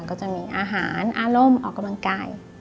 ก็จะมีอาหารอารมณ์ออกกำลังกาย